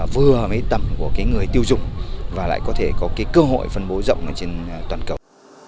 vừa với tầm của người tiêu dụng và lại có thể có cơ hội phân bố rộng trên toàn cầu